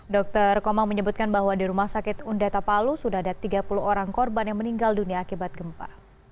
dr komang menyebutkan bahwa di rumah sakit undata palu sudah ada tiga puluh orang korban yang meninggal dunia akibat gempa